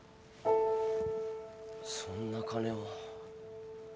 そんな金を。